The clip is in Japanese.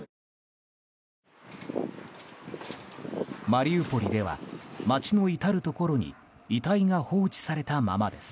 マリウポリでは街の至るところに遺体が放置されたままです。